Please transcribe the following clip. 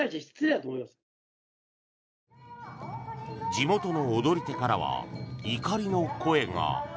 地元の踊り手からは怒りの声が。